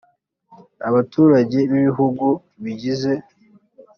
abaturage b ibihugu bigize